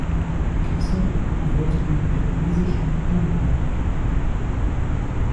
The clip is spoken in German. Klasse und gehörte dem Pegnesischen Blumenorden an.